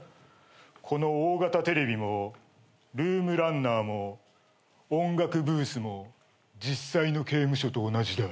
この大型テレビもルームランナーも音楽ブースも実際の刑務所と同じだ。